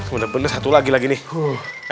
benar benar satu lagi lagi nih